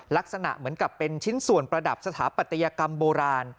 ลักษณะเหมือนกับเป็นชิ้นส่วนประดับสถาปัตยกรรมโบราณ